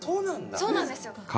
そうなんですよ。か